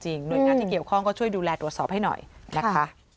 หน่วยงานที่เกี่ยวข้องก็ช่วยดูแลตรวจสอบให้หน่อยนะคะ